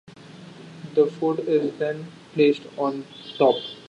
The food is then placed on top.